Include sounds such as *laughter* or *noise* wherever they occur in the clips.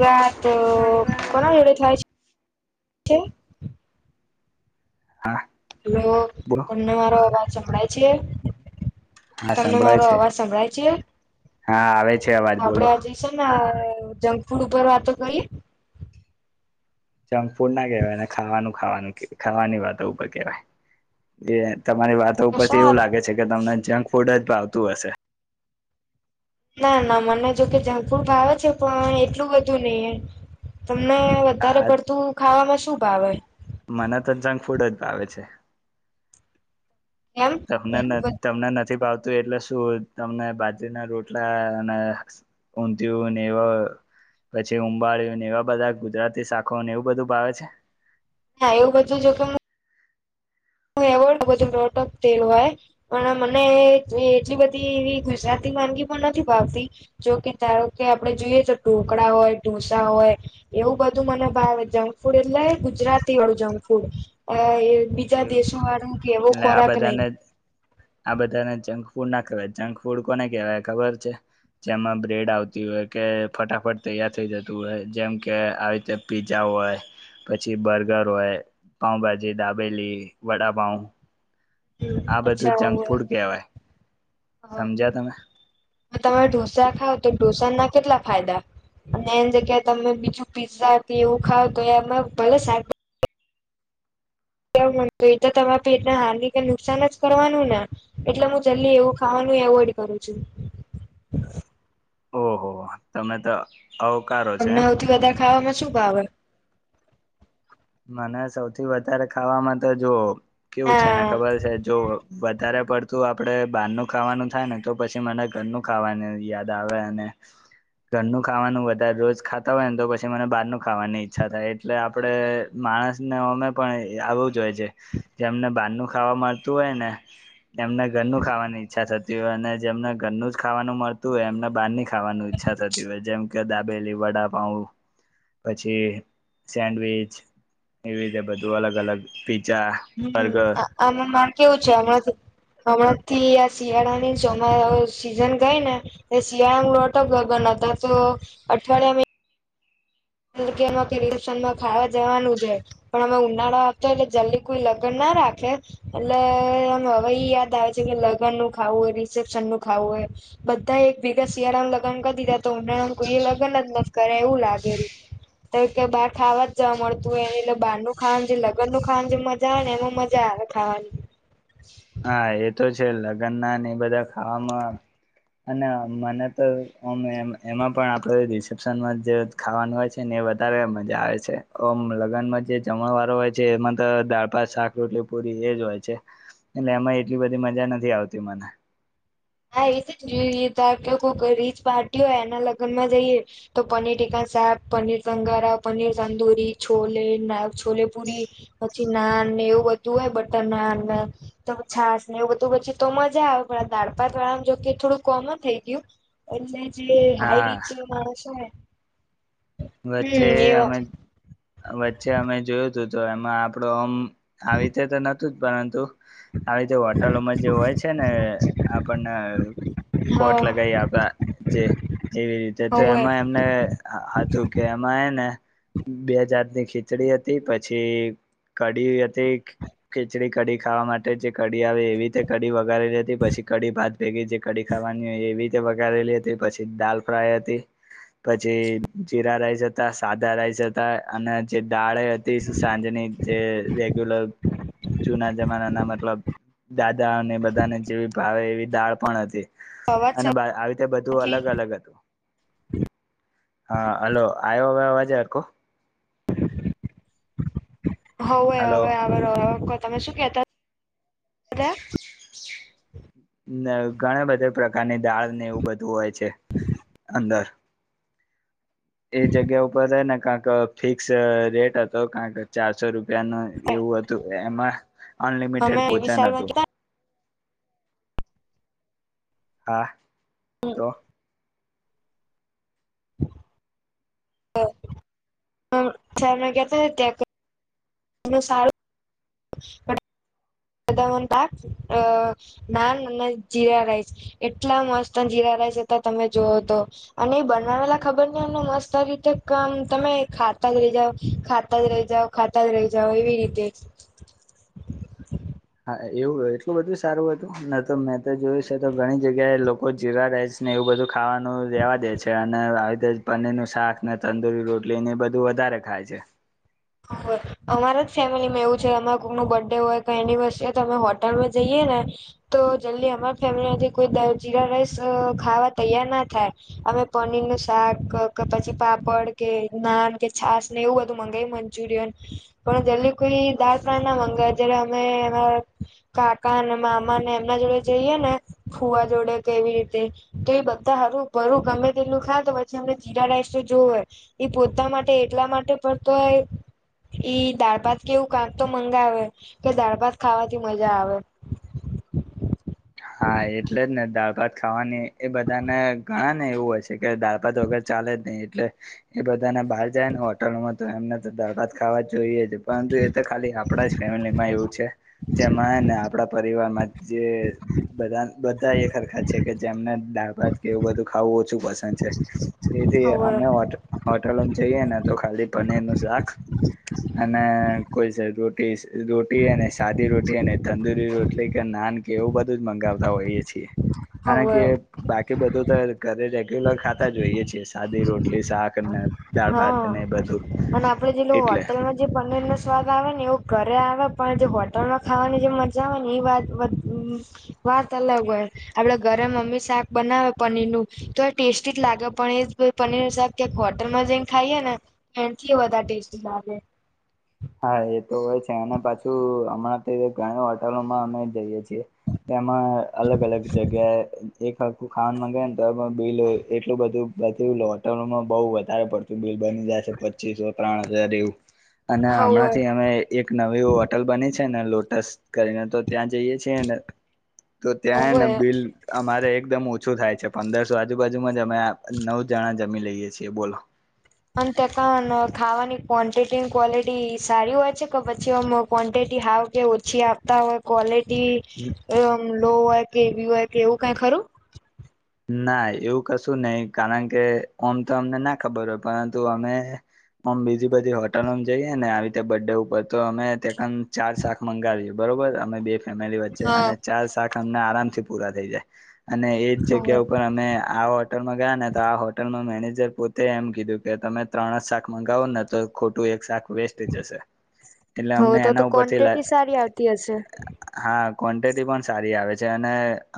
વાત મારી કોના વાત જોડે થાય છે? હા લો બોલો તમને મારો અવાજ સંભડાય છે? હા તમને સંભળાય મારો છે અવાજ સંભળાય છે હા આવે છે અવાજ આપડે બોલો આ જે છે ને અ જંક ફૂડ ઉપર વાતો કરીએ. જંક ફૂડ ના કહેવાય એને ખાવાનું ખાવાનું ખાવાની વાતો ઉપર કેવાય. તમારી વાતો તો ઉપરથી એવું સારું લાગે છે કે તમને જંક ફૂડ જ ભાવતું હશે. ના ના મને જોકે જંન્કફૂડ ભાવે છે પણ એટલું બધું નય એમ તમને વધારે આ પડતું ખાવામાં શું ભાવે? મને તો જંન્ક ફૂડ જ ભાવે છે એમ તમને ન એટલું બધું તમને નથી ભાવ તું એટલે શું તમને બાજરીના રોટલા અને ઉંધીયું અને એવા પછી ઉંબળીયુ એવા બધા ગુજરાતી શાખો એવું બધું ભાવે છે. હા એવું બધું જોકે હ હ એવ લું બધું પ્રોટક તેલ હોય પણ મને એટલી બધી એવી ગુજરાતી વાનગી પણ નથી વાપ જોકે ધારો કે આપણે જોઈએ તો ઢોકળા હોય ઢસા હોય એવું બધું ાવ જંક ફૂડ એટલે ગુજરાતી વાળું જંક ફૂડ બીજા દેશો વાળું કે એવો એટલે આ ખોરાક નહી બધાને આ બધાને ફૂડ ના કહેવાય જંક ફૂડ કોને કહેવાય ખબર છે જેમાં બ્રેડ આવતી હોય કે ફટાફટ તૈયાર થઈ જતું હોય જેમ કે આવી રીતે પીઝા હોય પછી બર્ગર હોય પાઉભાજી દાબેલી વડાપઉ હમ આ અચ્છા બધું જંક હોય. ફૂડ કહેવાય હા સમજ્યા તમે તમે ઢોસા ખાવ તો ઢોસા ના કેટલા ફાયદા અને એની જગ્યા તમે બીજું પીઝા હતી એવું ખાવ તો એમાં ભલે શ કેવ મ એ તો તમારા પેટને હાર્નીિક નુકસાન જ કરવાનું ને એટલે હું જલ્દી એવું ખાવાનું અવોઈડ કરું છું ઓહ તમે તો અવકારો છે તમને એમ સૌથી વધારે ખામાં શું ભાવે મને સૌથી વધારે ખાવામાં તો જો કેવું હા છેને ખબર છે જો વધારે પડ તું આપડે બહારનુંું ખાવાનું થાય ને તો પછી મને ઘરનું ખાવાનું યાદ આવે અને ઘરનું ખાવાનું વધારે રોજ ખાતા હોય ને તો પછી મને બહારનું ખાવાની ઈચ્છા થાય એટલે આપડ માણસ ને અમે પણ આવું જ હોય છે જેમને બહારનું ખાવા મળતું હોય ને એમને ઘરનું ખાવાની ઈચ્છા થતી હોય અને જેમને ઘરનું જ ખાવાનું મળતું હોય એમને બહારની ખાવાનું ઈચ્છા થતી હોય જેમ કે દાબેલી વડા પાઉ પછી સેન્ડવીચ એવી રીતે બધું અલગ અલગ પીઝા હમ બર્ગર આ આમાં માર કેવું છે આમાંથી હમણાં થી આ શિયાળાની ચોમા સીઝન ગઈને એ શિયાળા લોટક ગગન હઆ તો અઠવાડિયામાં એમાં કે રિપ્શન માં ખાવા જવાનું છે પણ અમે ઉનાળો આપતો એટલે જલ્દી કોઈ લગ્ન નથી ના રાખે એટલે હવે ઈ યાદ આવે છે કે લગ્ન નું ખાવું હોય રિસેપ્શન નું ખાવું હોય બધા એક ભેગા શિયાળામાં લગન કરી દીધા તો ઉનાળામાં કોઈ એ લગન જ ન કરે એવું લાગેલું *inaudible* તો કે બહાર ખાવા જ જવા મળતું હો એટલે બહાર ન ખવા જે લગ્નનું ખાવાનું જે મજા આવે ને એમાં મજા આવે ખાવાની *inaudible* હા એ તો છે લગ્ન ના એ બધા ખાવામાં અને મને તો ઓમે એમાં પણ આપડે રિસેપ્શનમાં જ ખાવાનું હોય છે ને વધારે મજા આવે છે‌ અ લગ્નમાં જે જમણ વારો હોય છે એમાં તો દાળભાત શાક રોટલી એજ હોય છે એટલે એમાં એટલી બધી મજા નથી આવતી મને હા એ છે કોકો રીચ પાર્ટી હોય એના લગ્નમાં જઈએ તો પનીર ટીકા સાપ પનીર કંગારા પનીર તંદુરી છોલે ના છોલેપુરી પછી ના એવું બધું હોય બટર નાન ને તો છાસ ને એવું બધું પછી તો મજા આવે પણ દાળ પાત વાળામાં જોકે થોડું કોમન થઈ ગયું એટલે જે હાઈ હા રીચ માણસો હોય વચ્ચે હમ એ અમે વચ્ચે અમે જોયું તું તો એમાં આપડો આમ આવી રીતે તો નતું જ પરંતુ આવી રીતે હોટલોમાં જે હોય છે ને આપણને કોટ હા લગાય આપે જે એવી રીતે તો હવે એમાં એમને હતું કે એમાં એ ને બે જાત ની ખીચડી હતી પછી કડી હતી ખીચડી કઢી ખાવા માટે જે કડી આવે એવી રીતે કડી વ વગારેલી હતી પછી કડી ભાત ભેગી જે કઢી ખાવાની હોય એવી વગારેલી હતી પછી દાલ ફ્રાય હતી પછી જીરા રાઈસ હતા સાદા રાઈસ હતા અને જે દાળે સાંજની જે રેગ્યુલર જૂના જમાના ના મતલબ દા દાળ ને બધાને જેવી ભાવે એવી દાળ પણ હતી અવાજ અને આવી રીતે બધું નથી અલગ અલગ હતું હા હલો આવ્યો અવાજ હરખો હવે હલો હવે *unintelligible* તમે શું ઘણા બધા પ્રકારની દાળ ને એવું બધું હોય છે અંદર એ જગ્યા ઉપર સેને કંક ફિક્સ રેટ હતો કંક ચારસો રૂ પીયાનું એવું હતું એમાં અનલિમિટેડ અમે એવી ભોજન સાલ હતું હા તો *inaudible* *unintelligible* કતા ત્યા એ સારું *unintelligible* જીરા રાઈસ એટલા મસ્ત જીરા તા તમે જોઓ તો અને બનાવેલા ખબર નને મસ્ત રીતે ક તમે ખા ખાતા જ રહી જાઓ ખાતા જ રહી જાઓ ખાતા જ રહી જાઓ એવી રીતે હા એવું એટલું બધું સારું હતું ન તો મેં તો જોયું છે તો ઘણી જગ્યાએ લોકો જીરા રાઈસ ને એવું બ બધું ખાવાનું રેવા દે છે અને આવી રીતે પનીરનું શાક ને તંદુરી રોટલી ને એ બધું વધારે ખાય ગાય છે. *unintelligible* અમારા જ ફેમિલીમાં એવું છે અમારે કોકનુ બર્થડે હોય કઈ એનિવર્સરી હોય તો અમે હોટલમાં જઈએ ને તો જલ્દી અમા ફેમિલીમાંથી કોઈ જીરા રાઈસ અ ખાવા તૈયાર ના થાય અમે પનીર નું શાક કે પછી પાપડ કે નાન કે છાસ ને એવું બધું મંગાવી મન ચુરિયન પણ ‌દેલી કોઈ દાલ ફ્રાય અમે કાકા મામા ને એમના જોડે જઈએ ને ફુવા જોડે કે એવી રીતે તો એ બધા હારુ બરું અમે તેટલું ખા તો પછી અમને જીરા રાઇસ તો જોવે હોય એ પોતા માટે એટલા માટે પડતો હોય *inaudible* ઈ દાળ ભાત કેવું કામ તો મંગાવે કે દાળ ભાત ખાવાથી મજા આવે *inaudible* હા, એટલે જ ને દાળ-ભાત ખાવાની એ બધાને ઘણાને એવું હોય છે કે, દાળ-ભાત વગર ચા ચાલે જ નઈ એટલે એ બધાને બહાર જાય ન હોટલોમાં તો એમને તો દાળ-ભાત ખાવા જોઈએ છે પરંતુ એ તો ખાલી આપણા જ ફેમિલીમાં એવું છે, જેમાં હે આપણા પરિવારમાં જે બધ બધા એક હરરખા છે કે જેમને દાળ ભાત કે એવું બધું ખાવું ઓછું પશે *unintelligible* જેથી હવે અમે હોટ-હોટલોમ જઈએ ને તો ખાલી પનીરનું શાક અને કોઈ સાઈડ રોટી શે, રોટી અને સાદી રોટી અને તંદુરી રોટલી કે નાન કે એવું બધું મંગાવતા હોઈએ છીએ કારણ હવે કે બાકી બધું તો ઘરે ગ્યુલર ખાતા જોઈએ છીએ. સાદી રોટલી શાક અને હન, અન આપડે જેટલું એટલે હોટેલમાં જે પનીરનો સ્વાદ આવે ને એવુ ઘરે આવે પણ જે હોટલમાં ખાવાની જે મજા આવેને ઈ વાત *unintelligible* વાત અલગ હોય. આપડે ઘરે મમ્મી શાક બનાવે પનીરનું, તો એ ટેસ્ટી જ લાગ પણ એ પનીરનું શાક ક્યાંક હોટ હોટલમાં જઈને ખાઈએ તો એનથી વધારે ટેસ્ટી લાગે. હા એ તો હોય છે અને પાછું હમણાં તો ઘણી હોટલોમાં અમે જઈએ છીએ. તે તેમાં અલગ-અલગ જગ્યાએ એક હરખું ખાવા માંગયે ને તો એમાં બિલ એટલું બધું બ હોટલમાં બઉુ વધારે પડતું બિલ બની જાયશે, પચીસો ત્રણ હજાર એવું અને હવ હમણાં થી અમે એક નવી હોટલ બની છે ને લોટસ કરીને તો ત્યાં જઈએ છે ન, તો ત્યાં હેને હોવે બિલ અમારે એકદમ ઓછું થાય છે, પંદરસો આજુબાજુમાં જ અમે નવ જણા જમી લઈએ છીએ બોલો. અન તે કન ખાવાની ક્વોન્ટિટી ક્વોલિટી સારી હોય છે કે, પછી આમ ક્વોન્ટિટી ઈ હાવ કે ઓછી આપતા હોય કોલિ તી એવ ઓમ લો હોય કે એવી હોય કે એવું કઈ ખરું? ના એવું કશું નહીં, કારણ કે આમ તો અમને ના ખબર હોય પરંતુ અમે ઓમ, બીજી બધી હોટલોમ જઈએ ને આવી રીતે બર્થડે ઉપર તો અમે તે કન ચાર શાક મંગાવીએ બ બરોબર, અમે બે ફેમિલી વચ્ચે અને હા ચાર શાક અમને આરામથી પૂરા થઈ જાય અને એ જ જગ્યા ઉપર અમે આ હોટલમાં ગયા ને તો આ હોટલમાં મેનેજ જાર પોતે એમ કીધું કે, તમે ત્રણ જ શાક મગાવો ન તો ખોટું એક શાક વેસ્ટ જશે એટલે હો અમને તો તો એના ઉપરથી ક્વોન્ટિટી સારી આવતી હશે હા ક્વોન્ટિટી પણ સારી આવે છે અને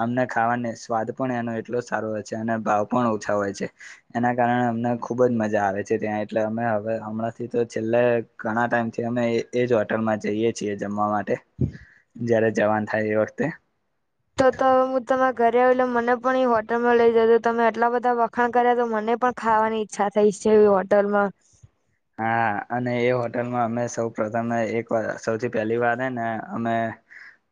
અમને ખાવાને સ્વાદ પણ એનો એટલો સારો હોય છે, અને ભાવ પણ ઓછા હોય છે. એના કારણે અમને ખુબ જ મજા આવે છે ત્યાં એટલે અમે હવે હમણાંથી તો છેલ્લે ઘણા ટાઈમથી અમે એજ હોટલમાં જઈએ છીએ જમવામા માટે, જયારે જવાન થાય એ વખતે તો તો હવે હું તમારા ઘરે આવી એટલે મને પણ એ હોટલમાં લઈ જજો તમે એટલા બધા વખાણ કર્યા તો મને મને પણ ખાવાની ઈચ્છા થઈ છે, એવી હોટલમાં. હા, અને એ હોટેલમાં અમે સૌ પ્રથમ એકવાર સૌથી પહેલીવાર હેને અમે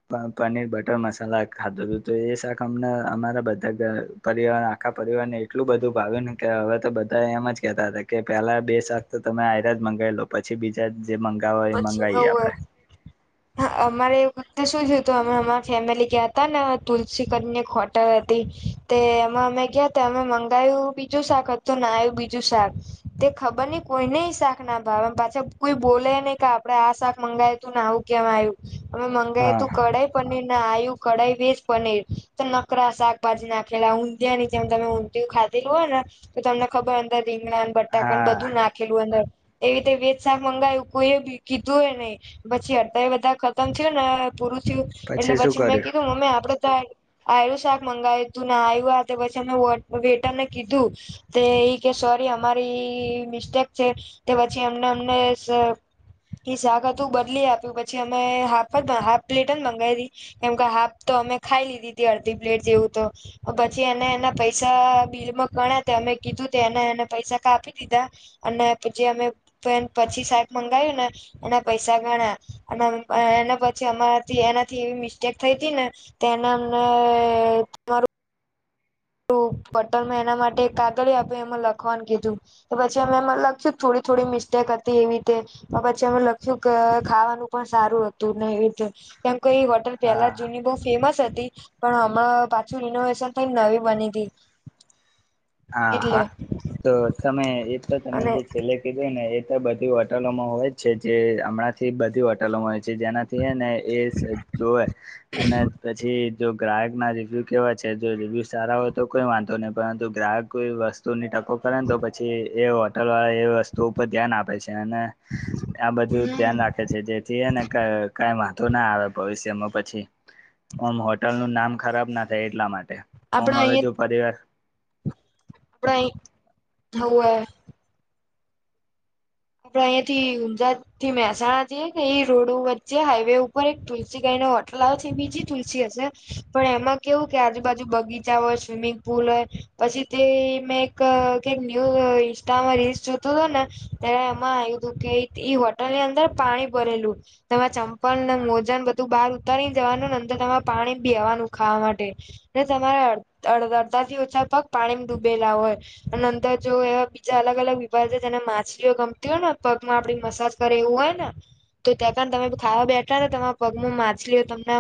પ પનીર બટર મસાલા ખાતો તો એ શાક અમણા અમારા બધા પરિવાર આખા પરિવારને એટલું બધું ભાવ્યું ને કે હવે તો બધા એમ જ કેતા હતા કે પેલા બે શાક તો તમે આયરા જ મંગાવી લો પછી બીજા જે મંગાવો એ મંગાવીએ આપડે. હ, અમારે એ વખતે શું થયું હતું અમે અમારી ફેમિલી ગયાં તાને તુલસી કરને હોટલ હતી તે એમાં અમે ગયાતા અમે મંગાયું બીજું શાક હતું આયુ બીજું શાક તે ખ ખબરની કોઈને શાક ના ભાવે પાછા કોઈ બોલે નઈ આપડે આ શાક મંગાવ તુંને આવું કેમ આવ્યું, અમે મંગાવ હા તું કડાઈ પનીર આયું કઢાઈ વેજ પનીર તો નકરા શાકભાજી નાખેલા ઊંધિયા ની જેમ તમે ઊંધિું ખા- હોય ને તો તમને ખબર અંદર રીંગ બટા હા બધું નાખેલું અંદર એવી રતે વેજ શાક મંગાવ્યું કોઈ બી કીધું હોય નહી પછી અડતા એ બધા ખતમ થ ને પૂરું થયું એટલે શું પછી મેં કર્યું કીધું મમ્મી આપડે તો આ શાક મંગાવ્યું તું આવ્યું આ તે પછી અમે વેટર ને કીધું તે એ કે શો અમારી મિસ્ટેક છે પછી અમને અમને એ શાક હતું બદલી આપ્યું પછી અમે હાફ જ હાફ પ્લેટ જ મંગાવી દી કેમ કે હાફ તો અમે ખાઈ લીધી હતી અડધી પ્લેટ જેવું તો પછી એને એના પૈસા બિલમાં ગણા્યા હતા અમે કીધું એને એને પૈસા કા આપી દીધા અને પ જે અમે પછી મંગાવું ને એના પૈસા ગણા અને એના પછી અમારાથી એનાથી એવી મિસ્ટેક થઈ ને તેનામને તમારું તો હોટેલ માં એના માટે કાગળ આપે એમાં લખવાનું કીધું તો પછી અમે એમાં લખશું થોડી થોડી મિસ્ટેક એવી રીતે પછી અ લખ્યું કે ખાવાનું પણ સારું હતું ને એવી રીતે કેમ કઈ હોટલ પેલા હા જૂની બહુ ફેમસ હતી પણ હમણાં પાછું રિનોવેશન થઈ નવી બનીતી હા હા તો તમે એ તો તમે અને જે છેલ્લે કીધું ને બધી હોટલોમાં હોય છે જે હમણાં થી બધી હોટલોમાં હોય જેનાથી ને એ જોવે અને પછી જો ગ્રાહક ના રિવ્યુ કેવા છે જો રિવ્યુ સારા હોય તો કોઈ વાંધો નહીં પરંતુ ગ્રાહક કોઈ વસ્તુ ની ટકો કરે ને તો પછી એ હોટલ એ વસ્તુ ઉપર ધ્યાન આપે છે અને આ બધું હમ ધ્યાન રાખે છે જેથી એને કઈ વાંધો ના આવે ભવિષ્યમાં પછી ઓમ હોટલ નું નામ ખરાબ ના થાય એટલા માટે હમ આપડા હવે જો પરિવાર આપ હવે *unintelligible* આપડે અહીયાં થી ઊંઝા થી મહેસાણાથીએ એ રોડો વચ્ચે હાઈવે ઉપર એક તુલસી ગાઈ હોટલાઓ થી બીજી તુલસી હશે પણ એમાં કેવું કે આજુબાજુ બગીચા હોય સ્વિમિંગ પુલ હોય પછી તે મેં એક કક ન્યૂઝ ઇન્સ્ટામાં રીસ જોતો હતો ને ત્યારે એમાં આવ્યું હતું કે હોટલ ની અંદર પાણી ભરેલું તેમાં ચંપલ અને મોજન બધું બહાર ઉતારી જવાનુંંતર તમારે પાણી બેસવાનું ખાવા માટે તમારેડડ થી ઓછા પગ પાણી ડૂબેલા હોય અને અંદર જો એવા બીજા અલગ અલગ વિભાગ છે જેને મા ગમતી હોય ને પગમાં આપડી મસાજ કરે એવું હોય ને તો ત્યાં કારણે તમે ખાવા બેઠા ને તમારા પગમાં માછલીઓ તમને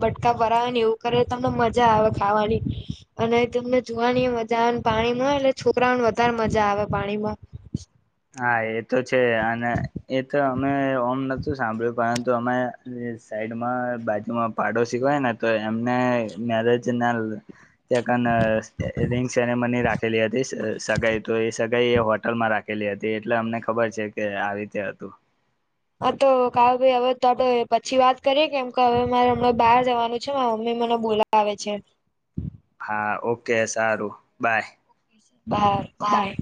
બટકા ભરાવે ને એવું કરે મજા આવે ખાવાની અને તમને જોવાની મજા આવેને પાણીમાં એટલે છોકરાઓને વધારે મજા આવે પાણીમાં હા એ તો છે અને એ તો અમે ઓમ નોતું સાંભળ્યું પરંતુ અમે એમના બાજુમાં પાડોશી હોય ને તો એમને મેરેજ ના ત્યાં કને રિંગ સેરેમની રાખેલી હતી સગાઈ તો એ સગાઈ એ હોટલ માં રાખ લી હતી એટલે અમને ખબર છે કે આવી રીતે હતું હા તો કાવ ભાઈ હવે તો પછી વાત કરીએ કેમ કે હવે મારે હમણાં બહાર જવાનું છે હમમે મને બોલા આવે છે હા ઓકે સારું બાય બાય હા. બાય